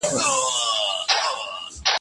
ما د سبا لپاره د ژبي تمرين کړی دی؟!